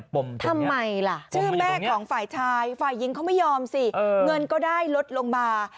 ทำไมล่ะชื่อแม่ของฝ่ายชายฝ่ายหญิงเขาไม่ยอมสิเงินก็ได้ลดลงมา